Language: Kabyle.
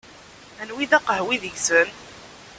Anwa i d aqehwi deg-sen?